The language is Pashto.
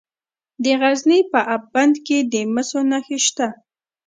د غزني په اب بند کې د مسو نښې شته.